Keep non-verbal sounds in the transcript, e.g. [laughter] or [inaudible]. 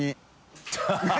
ハハハ [laughs]